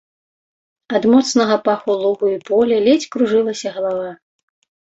Ад моцнага паху лугу і поля ледзь кружылася галава.